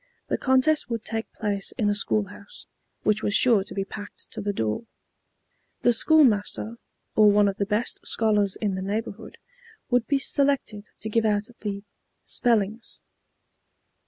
The contest would take place in a school house, which was sure to be packed to the door. The school master, or one of the best scholars in the neighborhood, would be selected to give out the "spellings."